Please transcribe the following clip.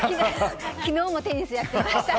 昨日もテニスやってました